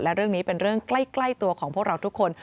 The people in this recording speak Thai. และเรื่องนี้เป็นเรื่องใกล้ตัวของพวกเราทุกคน